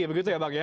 begitu ya bang ya